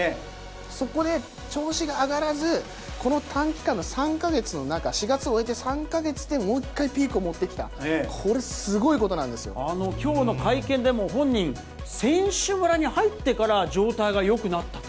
そこで調子が上がらず、この短期間の３か月の中、４月を終えて３か月で、もう一回ピークを持ってきた、これ、きょうの会見でも、本人、選手村に入ってから状態がよくなったと。